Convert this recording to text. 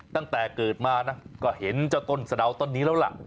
ตั้งแต่เกิดมานะก็เห็นเจ้าต้นสะดาวต้นนี้แล้วล่ะ